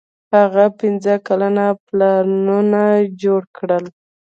هند پنځه کلن پلانونه جوړ کړل.